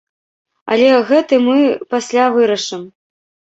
Але гэты мы пасля вырашым.